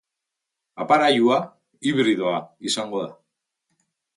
Aparailua hibridoa izango da.